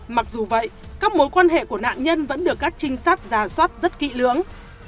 mặc dù vậy các mối quan hệ của nạn nhân vẫn được các trinh sát ra soát rất kỹ lưỡng